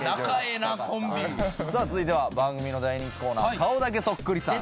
さあ続いては番組の大人気コーナー「顔だけそっくりさん」